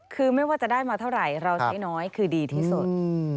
คือไม่ว่าจะได้มาเท่าไหร่เราใช้น้อยคือดีที่สุด